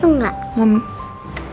aku minta mama senyum dulu